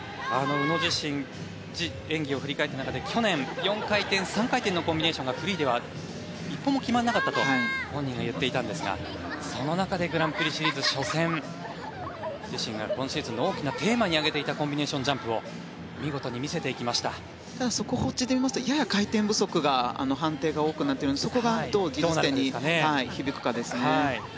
宇野自身演技を振り返った中で去年、４回転、３回転のコンビネーションがフリーでは１本も決まらなかったと本人が言っていたんですがその中でグランプリシリーズ初戦自身が今シーズンの大きなテーマに挙げていたコンビネーションジャンプをただ、速報値で言いますとやや回転不足が判定が多くなっているのでそこがどう技術点に響くかですね。